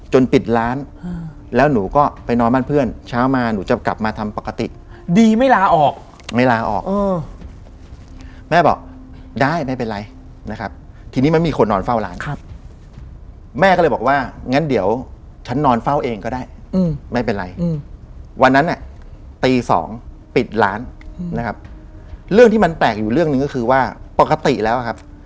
เหมือนชามาที่ปลายเท้าแล้ว